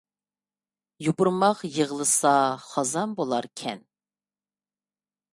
يۇپۇرماق يىغلىسا خازان بۇلار كەن